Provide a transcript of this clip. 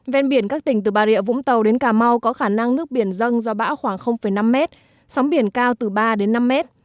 ven biển các tỉnh từ bà rịa vũng tàu đến cà mau có khả năng nước biển dâng do bão khoảng năm mét sóng biển cao từ ba đến năm mét